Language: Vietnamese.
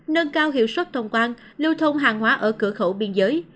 nâng cao hiệu suất thông quan lưu thông hàng hóa ở cửa khẩu biên giới